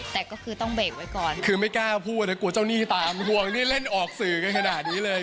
แต่ก็คือต้องเบรกไว้ก่อนคือไม่กล้าพูดนะกลัวเจ้าหนี้ตามห่วงนี่เล่นออกสื่อกันขนาดนี้เลย